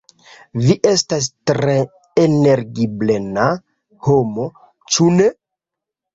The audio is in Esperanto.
"Vi estas tre energiplena homo, ĉu ne?"